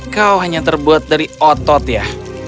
kau hanya terbuat dari otot ya